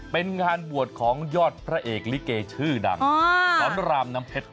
เป็นงานบวชของยอดพระเอกลิเกชื่อดังสอนรามน้ำเพชร